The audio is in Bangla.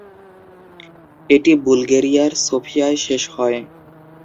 এটি বুলগেরিয়ার সোফিয়ায় শেষ হয়।